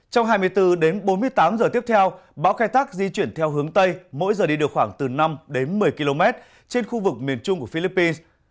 trong hai mươi bốn đến bốn mươi tám giờ tiếp theo bão khai thác di chuyển theo hướng tây mỗi giờ đi được khoảng từ năm đến một mươi km trên khu vực miền trung của philippines